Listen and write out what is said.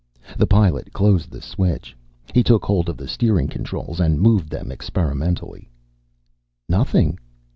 The Pilot closed the switch. He took hold of the steering controls and moved them experimentally. "Nothing."